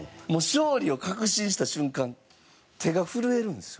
勝利を確信した瞬間手が震えるんですよ。